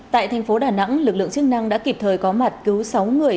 tại thành phố đà nẵng lực lượng chức năng đã kịp thời có mặt cứu sáu người